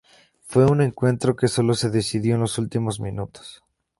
Fue un encuentro que sólo se decidió en los últimos minutos.